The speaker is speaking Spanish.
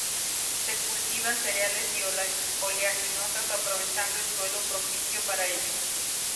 Se cultivan cereales y oleaginosas aprovechando el suelo propicio para ello.